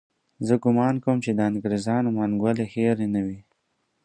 زه ګومان کوم چې د انګریزانو منګولې هېرې نه وي.